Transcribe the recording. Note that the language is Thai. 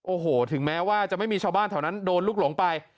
โอ้โหถึงแม้ว่าจะไม่มีชาวบ้านแถวนั้นโดนลูกหลงไป